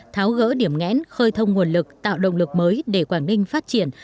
tháo gỡ điểm ngẽn khơi thông nguồn lực tạo động lực mới để quảng ninh phát triển